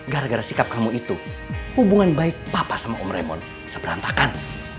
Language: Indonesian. gara gara sikap kamu itu hubungan baik papa sama om remon seberantakan